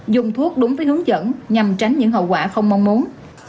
dùng thuốc đúng với hướng dẫn nhằm tránh những hậu quả không mong muốn